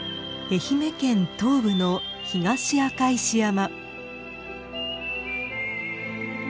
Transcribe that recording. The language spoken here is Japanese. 愛媛県東部の東赤石山。